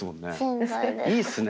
いいっすね。